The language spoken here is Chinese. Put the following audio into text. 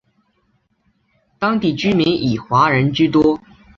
当地居民以华人居多。